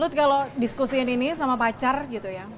good kalau diskusiin ini sama pacar gitu ya